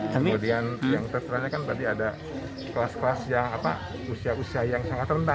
kemudian yang terteranya kan berarti ada kelas kelas yang usia usia yang sangat rentan